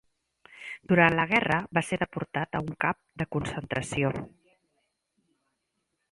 Durant la guerra va ser deportat a un cap de concentració.